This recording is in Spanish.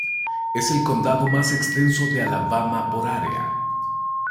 Es el condado más extenso de Alabama por área.